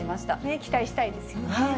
期待したいですよね。